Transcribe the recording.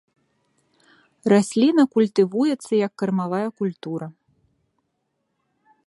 Расліна культывуецца як кармавая культура.